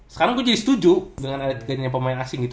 sekarang gue jadi setuju dengan adanya pemain asing gitu